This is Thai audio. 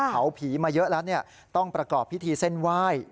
เผาผีมาเยอะแล้วต้องประกอบพิธีเส้นไหว้